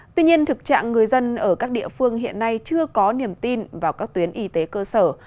tuy nhiên thực trạng người dân ở các địa phương hiện nay chưa có niềm tin vào các tuyến y tế cơ sở